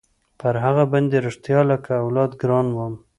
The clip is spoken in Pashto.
پر هغه باندې رښتيا لكه اولاد ګران وم.